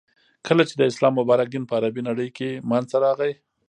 ،کله چی د اسلام مبارک دین په عربی نړی کی منځته راغی.